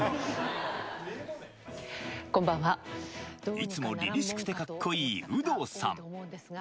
いつもりりしくてかっこいい有働さん。